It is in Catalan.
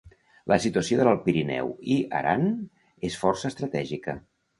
La situació de l'Alt Pirineu i Aran és força estratègica.